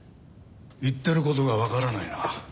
言ってる事がわからないな。